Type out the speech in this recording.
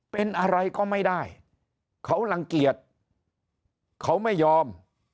เป็นอะไรก็ไม่ได้เขารังเกียจเขาไม่ยอม